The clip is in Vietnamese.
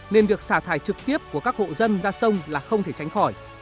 nên việc xả thải trực tiếp của các hộ dân ra sông là không thể tránh khỏi